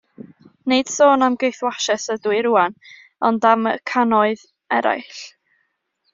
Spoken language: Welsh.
Nid sôn am gaethwasiaeth ydw i rŵan, ond am y cannoedd eraill.